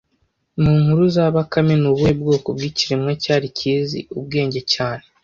Mu nkuru za bakame ni ubuhe bwoko bw'ikiremwa cyari kizi ubwenge Cyane